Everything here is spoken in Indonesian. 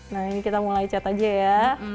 nah ini kita mulai chat aja ya